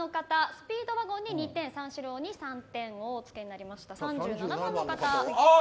スピードワゴンに２点三四郎に３点をお付けになりました。